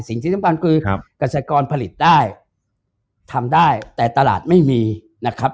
สิ่งที่สำคัญคือเกษตรกรผลิตได้ทำได้แต่ตลาดไม่มีนะครับ